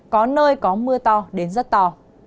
có nơi có mưa to đến rất to